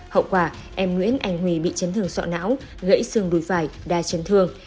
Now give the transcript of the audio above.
hậu quả em nguyễn anh huy bị chấn thương sọ não gãy xương đùi phải đa chấn thương